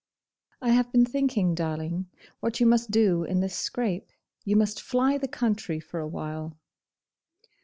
'I have been thinking, darling, what you must do in this scrape. You must fly the country for a while.